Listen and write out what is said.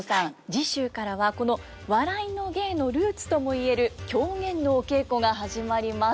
次週からはこの笑いの芸のルーツともいえる狂言のお稽古が始まります。